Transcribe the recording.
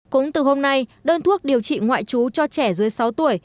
cũng từ hôm nay đơn thuốc điều trị ngoại trú cho trẻ dưới sáu tuổi